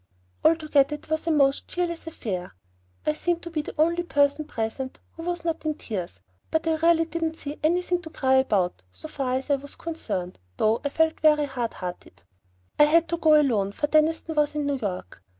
Altogether it was a most cheerless affair. I seemed to be the only person present who was not in tears; but I really didn't see anything to cry about, so far as I was concerned, though I felt very hard hearted. I had to go alone, for Deniston was in New York.